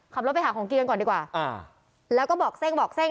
ขับรถไปหาของกินกันก่อนดีกว่าอ่าแล้วก็บอกเส้งบอกเส้ง